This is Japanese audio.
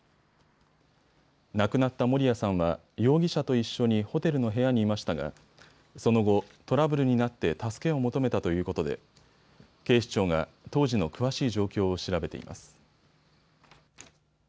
亡くなった守屋さんは容疑者と一緒にホテルの部屋にましたがその後、トラブルになって助けを求めたということで警視庁が当時の詳しい状況を調べています。